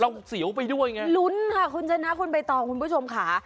เสียวไปด้วยไงลุ้นค่ะคุณชนะคุณใบตองคุณผู้ชมค่ะ